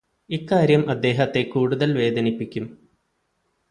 ഇക്കാര്യം അദ്ദേഹത്തെ കൂടുതല് വേദനിപ്പിക്കും